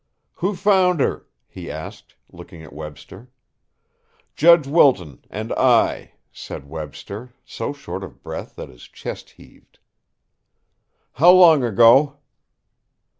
"Who found her?" he asked, looking at Webster. "Judge Wilton and I," said Webster, so short of breath that his chest heaved. "How long ago?"